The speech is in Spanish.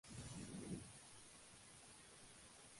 Creó y modificó el constructivismo matemático.